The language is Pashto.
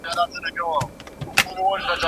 د خاوند درناوی څنګه ساتل کيږي؟